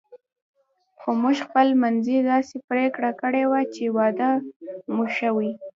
خو موږ خپل منځي داسې پرېکړه کړې وه چې واده مو شوی.